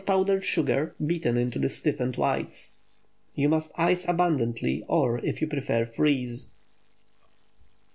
powdered sugar, beaten into the stiffened whites. You must ice abundantly—or, if you prefer, freeze.